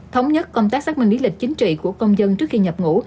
thống nhất công tác xác minh lý lịch chính trị của công dân trước khi nhập ngũ